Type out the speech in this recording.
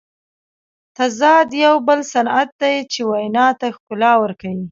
تضاد یو بل صنعت دئ، چي وینا ته ښکلا ورکوي.